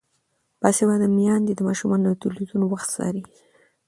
باسواده میندې د ماشومانو د تلویزیون وخت څاري.